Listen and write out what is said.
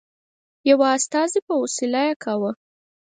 یوه استازي په وسیله یې کاوه.